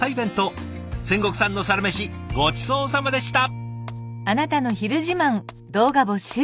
仙石さんのサラメシごちそうさまでした。